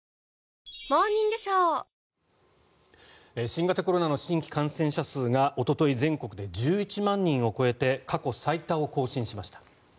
新型コロナの新規感染者数がおととい、全国で１１万人を超えて過去最多を更新しました。